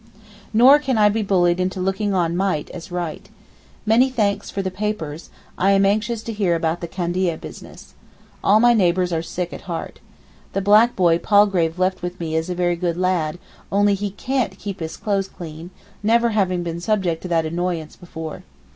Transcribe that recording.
Nor can I be bullied into looking on 'might' as 'right.' Many thanks for the papers, I am anxious to hear about the Candia business. All my neighbours are sick at heart. The black boy Palgrave left with me is a very good lad, only he can't keep his clothes clean, never having been subject to that annoyance before.